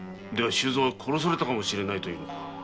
では周蔵は殺されたのかもしれないと？